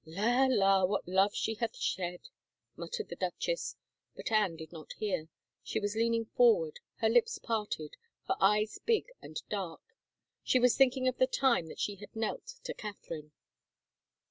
" La, la, what love she hath shed !" muttered the duchess, but Anne did not hear; she was leaning forward, her lips parted, her eyes big and dark. She was thinking of the time that she had knelt to Catherine.